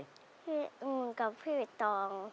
พี่อังุ่นกับพี่ใบตอง